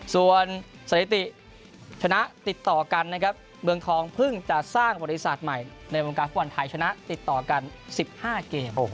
ส่วนสถิติชนะติดต่อกันนะครับเมืองทองเพิ่งจะสร้างบริษัทใหม่ในวงการฟุตบอลไทยชนะติดต่อกัน๑๕เกม